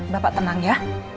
bapak tenang ya